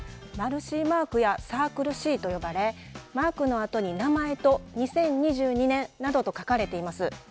「マルシーマーク」や「サークルシー」と呼ばれマークのあとに名前と２０２２年などと書かれています。